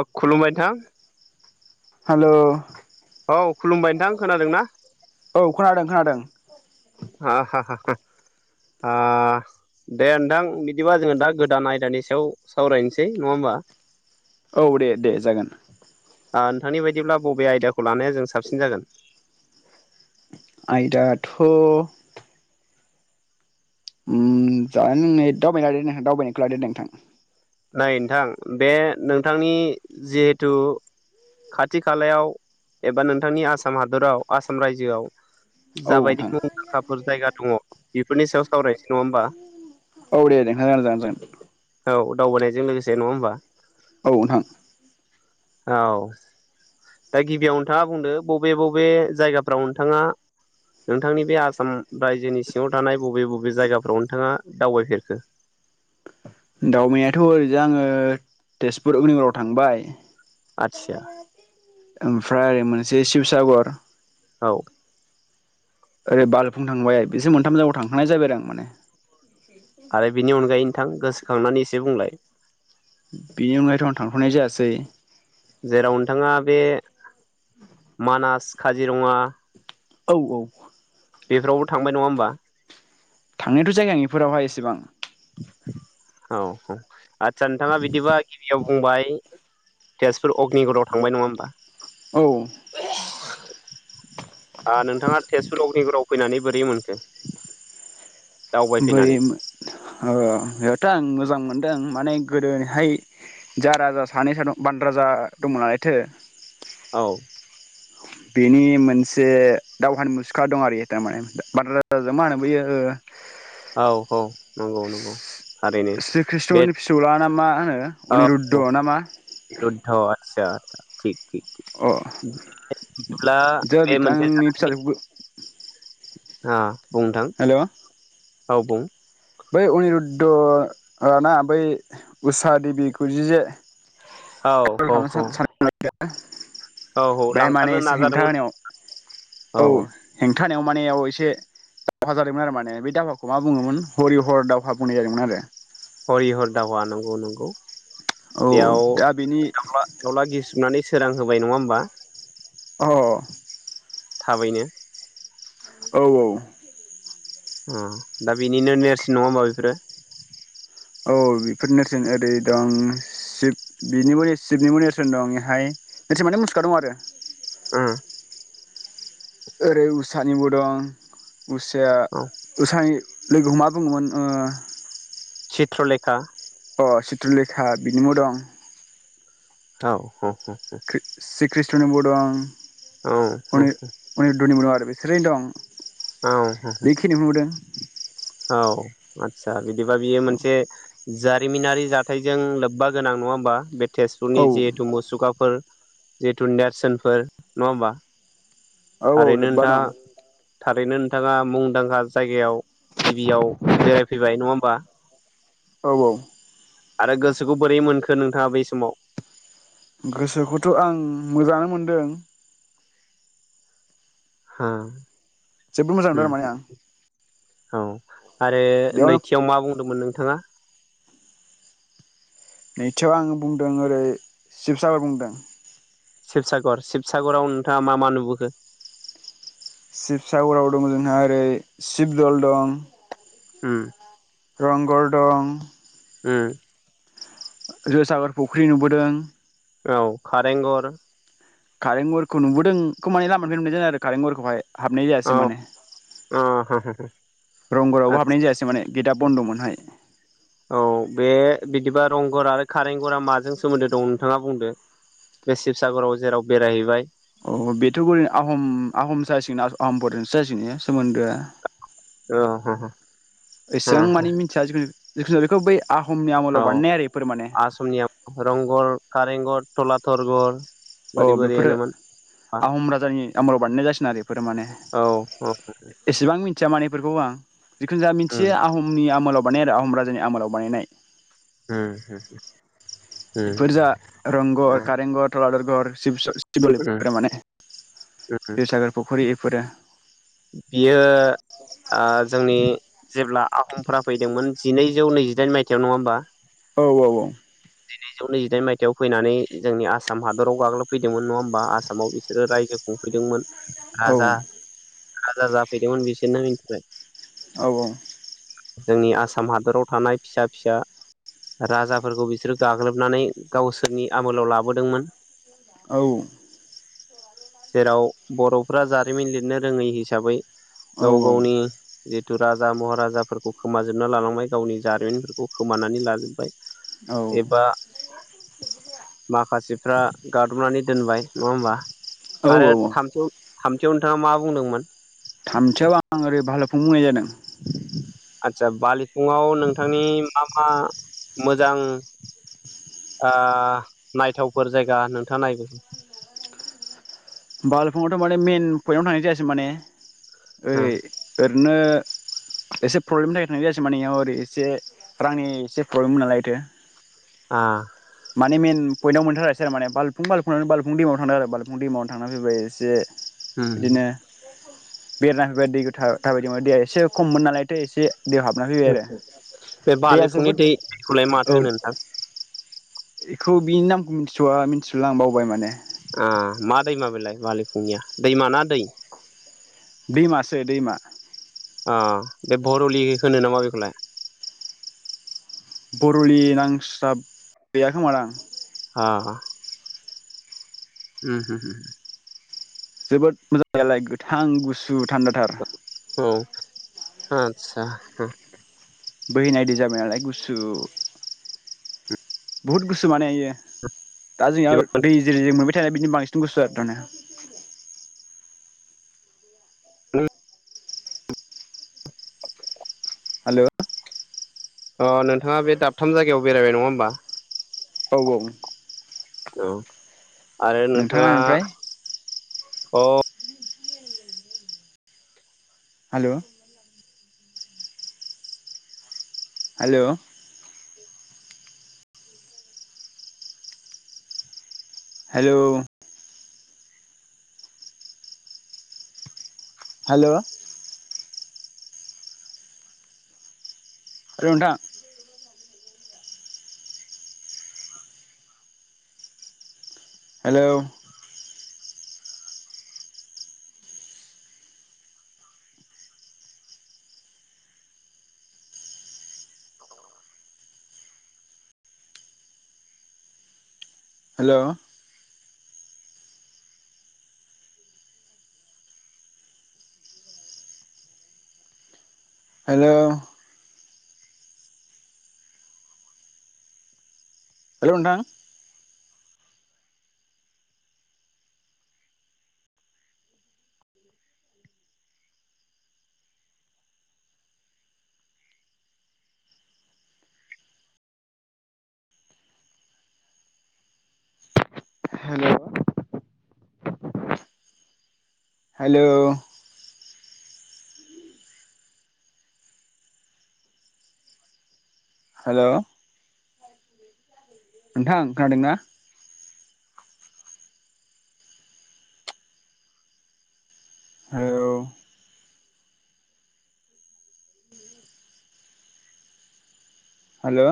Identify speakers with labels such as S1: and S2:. S1: अ खुलुमबाय नोंथां।
S2: हालौ
S1: औ खुलुमबाय नोंथां खोनादों ना?
S2: औ खोनादों खोनादों
S1: हा हा आ दे नोंथां बिदिबा जोङो दा गोदान आयदानि सायाव सावरायनोसै नङा होमबा?
S2: औ दे दे जागोन।
S1: आ‌ नोंथांनि बायदिब्ला बबे आयदाखौ खौ लानाया जों साबसिन जागोन
S2: आयदाथ' उम जानाय लोंनाय दावबायारि [unintelligible] दावबायनायखो लादो नोंथां।
S1: नाय नोंथां बे नोंथांनि जिहेथु खाथि खालायाव एबा नोंथांनि आसाम हादराव आसाम रायजोआव
S2: दावबायनायखौ लादो नोंथां औ
S1: जाबायदि
S2: नोंथां
S1: मुंदांखाफोर जायगा दङ बेफोरनि सायाव सावराय रङा होमबा?
S2: औ दे नोंथां [unintelligible] जागोन जागोन।
S1: दावबोनायजों लोगोसे नङा होमबा?
S2: औ नोंथां।
S1: औ दा गिबियाव नोंथाङा बुंदो, बबे बबे जायगाफ्राव नोंथाङा नोंथांनि बे आसाम रायजोनि सिङाव थानाय बबे बबे जायगाफ्राव नोंथाङा दावबायफेरखो?
S2: दावबानायाथ' ओरैजा आङो तेजपुर उगनिगराव थांबाय। ज
S1: आदसा
S2: म जाथ [inaudible] ओमफ्राय मोनसे शिबसागर।
S1: औ।
S2: ओरै बालुफुं थांबाय, बेजों मोनथाम जायगायाव थांखानाय जाबाय आरो आं माने।
S1: आरो बिनि अनगायै नोंथां गोसोखांनानै एसे बुंलाय।
S2: बेनि अनगायैथ' आं थांथ'नाय जायासै।
S1: जेराव नोंथाङा बे मानास, काजिरङा
S2: औ औ।
S1: बेफोरावबो थांबाय नङा होमबा?
S2: थांनायथ' जायाखै बेफोरावहाय एसेबां।
S1: औ औ आत नोंथाङा बिदिबा गिबियाव फंबाय तेजपुर अग्निगरआव थांबाय, नङा होमबा?
S2: औ
S1: नोंथाङा तेजपुर अग्निगरआव। फैनानै बोरै मोनखो।
S2: बै
S1: दावबायफैनानै
S2: हो था आं मोजां मोनदों माने गोदोहाय जा राजा सानै स बान राजा दं नालायथो।
S1: औ।
S2: बेनि मोनसे दावहानि मुसुखा दं आरो थारमाने बार राजाजों, मा होनो बैयो?
S1: औ औ नंगौ नंगौ थारैनो
S2: श्री
S1: बे
S2: कृष्णनि फिसौला ना मा होनो
S1: औ
S2: अनिरुद्ध ना मा
S1: औ आचसा आ। थिग थिग।
S2: अ
S1: बिदिब्ला
S2: दे
S1: बे
S2: बिथांनि फिसाजो बो
S1: अ। बुंदां। औ बुं।
S2: बै अनिरुद्ध ना बै उषा देबिखौ जि जे।
S1: औ औ औ। औ औ
S2: [unintelligible] बे माने
S1: लांखारनो
S2: एसे हेंथा
S1: नाजादोंमोन
S2: होनायाव औ हेंथा। नेव मानेयाव एसे दावहा जादोंमोन आरो माने बे दावाखौ मा बुङोमोन? हरि हर दाावहा बुनाय जादोंमोन आरो।
S1: हरि हर दावा नंगौ नंगौ।
S2: औ
S1: बेयाव
S2: दा बेनि
S1: दला दाउला गिसिरनानै। सोरां होबाय नङा होमबा?
S2: अ अ अ।
S1: थाबैनो
S2: औ औ।
S1: ओम दा बेनिनो नेरसिन नङा होनोमबा बेफोरो?
S2: औ बेफोर नेरसोन ओरै दं श बिनि म शिबनिबो नेरसोन दं बेहाय नेरसोन माथे मुसुखा दं आरो ।
S1: ओ
S2: ओरै उसानिबो दं । मुस्या
S1: औ
S2: उसानि लोगोखौ मा बुङोमोन ओ?
S1: चित्रलेखा
S2: अ चित्र'लेखा बिनिबो दं ।
S1: औ औ औ औ ।
S2: श्री कृष्ण निबो दं
S1: औ
S2: । उनि उनिदडबो दं आरो बे स्रि दं
S1: औ
S2: बेखिनि [unintelligible]
S1: औ आतसा बिदिबा बियो मोनसे जारिमिनारि जाथायजों लोब्बा गोनां नंङा होमबा बे
S2: औ
S1: तेजपुरनि जिहेतु मुसुखाफोर जेथु नेरसोनफोर नंङा होमबा?
S2: औ औ
S1: थारैनो
S2: लोब्बा
S1: नोंथाङा
S2: दं ।
S1: थारैनो नोंथाङा मुंदांखा जायगायाव गिबियाव बेरायफैबाय नंङा होमबा?
S2: औ औ ।
S1: आरो गोसोखौ बोरै मोनखो नोंथांङा बै समाव?
S2: गोसोखौथ' आं मोजांङानो मोनदों ।
S1: हो
S2: जोबोद मोजां मोन्दों आरो
S1: उम
S2: माने आं ।
S1: औ । आरो
S2: बेयावनो
S1: नैथियाव मा बुंदोंमोन नों? नोंथांआ
S2: नैथियाव आंङो बुंदों ओरै शिबसागर बुंदों ।
S1: शिबसागर शिबसागराव नोंथांङा मा मा नुबोखो?
S2: शिबसागराव दं जोंहा ओरै शिबदल दं ।
S1: ओम ।
S2: रंघर दं ।
S1: ओम‌
S2: जो सागार फुख्रि नुबोदों ।
S1: औ कारेंघर
S2: खारेंघरखौ नुबोदों बेखौ माने लामानिखौ नुनाय जादों आरो कारेंघरखौहाय । हाबनाय जायासै
S1: औ
S2: माने
S1: अ हो हो हो
S2: रंघरावबो
S1: आदसा
S2: हाबनाय जायासै माने गेटा बन्द'मोनहाय ।
S1: औ बे बिदिबा रंगघर आरो कारें घरा माजों सोमोन्दो दं नोंथांङा बुंदो बे शिबसागराव जेराव बेरायहैबाय?
S2: अ बेथ' ओरै आह आहम जासिगोन आहमफोरजोंसो जासिगोननि सोमोन्दोआ
S1: अ हो हो हो
S2: एसबां मानि
S1: हो
S2: मिथिया जोंङो जिखुनु बेखौ बै आहमनि
S1: औ
S2: आमोलाव बानायनाय आरो बेफोर माने
S1: आसामनिया रंघर, कारेंघर, टलातरगर,
S2: औ बेफोरो आहम राजानि आमोलाव बानायनाय जासिगोन आरो बेफोरो माने
S1: औ उम
S2: एसेबां मिथि मिथिया माने बेफोरखौ आं जिखुनु जा मिथियो आहमनि आमोलाव, [inaudible] आहोम राजानि आमोलाव बानायनाय
S1: ओम
S2: बेफोर जा रंघर, कारेंघर, थलातर घर,
S1: उम
S2: शिबसाग'र माने
S1: उम
S2: रैसागर फुख्रि फोरा
S1: बियो ओ जोंनि जेब्ला आहमफ्रा फैदोंमोन जिनैजौ नैजिदाइन मायथाइआव नङा होनोमबा?
S2: औ औ औ।
S1: जिनैजौ नैजिदाइन मायथाइयाव फैनानै जोंनि आसाम हादराव गाग्लोबफैदोंमोन नङा होमबा आसामाव बिसोरो रायजोखौ फैदोंमोन
S2: औ
S1: राजा राजा जाफैदोंमोन बिसोरनो मिन्थिबाय?
S2: औ औ।
S1: जोंनि आसाम हादराव थानाय फिसा फिसा राजाफोरखौ बिसोरो गाग्लोबनानै गावसोरनि आमोलाव लाबोदोंमोन।
S2: औ।
S1: जेराव बरफोरा जारिमिन लिरनो रोङै हिसाबै
S2: औ
S1: गाव गावनि जिहेतु राजा महाराजाफोरखौ खोमाजोबना लालांबाय गावनि जारिमिनफोरखौ खोमानानै लाजोबबाय।
S2: औ
S1: एबा माखासेफ्रा गादबनानै दोनबाय नङा होमबा? आरो
S2: औ औ
S1: थामथि थामथियाव नोंथाङा मा बुंदोंमोन।
S2: थामथियाव आं ओरै भालोफुं बुंनाय जादों।
S1: सा बालि फुङाव नोंथांनि मा आ मोजां ओ नायथावफोर जायगा नोंथाङा नायोमोन?
S2: बालफुङावथ माने मइेन पइन्ट आवनो थांनाय जायासै माने।
S1: ओ
S2: ओइ ओ नोंनो एसे प्रब्लेमनि जानायना जायासै मानेयाव ओरै एसे रांनि एसे प्रब्लेममोन नालायथो।
S1: आ।
S2: माने मेन पइन्टआव मोनैथारासै आरो माने बालफुं बालफुंनालाय बालबफुं दैमायाव थांदों आरो बालबफुं दैमायावनो थांना फैबाय एसे।
S1: हुम।
S2: बेरायना फैबाय दैखौ थाबायदोंमोन दैया एसे खममोन नालायथ एसे दैयाव हाबना फैबाय आरो
S1: बे
S2: दैया
S1: बालेफुंनि
S2: जोबोद
S1: दैखौलाय
S2: औ
S1: माथो होनो नोंथां?
S2: बेखौ बिनि नामखौ मिथिथआ मिथिथला आं बावबाय माने।
S1: ओ मा दैमा बेलाय बालि फुंनिया दैमाना दै?
S2: दैमासो दैमा।
S1: अ बे भरलि होनो नामा बेखौलाय?
S2: बरलि नांस्लाब हैया खोमादां।
S1: आ। उम हुम हुम हुम।
S2: जोबोद मोजां नालाय गोथां गुसु सु थान्दा थार।
S1: आतसा हा।
S2: बोहैनाय दै जाबाय नालाय गुसु बहुद गुसु माने इयो। दा जोंहा दै जेरै जों मोन बिदिनो बांसिन गुसुआरो थार ने हेल'
S1: अ नोंथाङा बे दाबथाम जायगायाव बेरायबाय नङा होमबा
S2: औ औ
S1: औ आरो नोंथाङा अ
S2: हेल' हेल' हेल' हेल' रौ नोंथां हेल' हेल' हेल' हेल' नोंथां हेल' हेल' हेल' नोंथां खोनादोंना हेल' हेल'